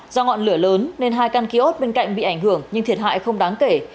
do ngọn lửa lớn nên hai căn kiosk bên cạnh bị ảnh hưởng nhưng thiệt hại không đáng kể